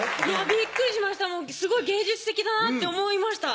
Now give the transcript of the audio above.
びっくりしましたすごい芸術的だなって思いました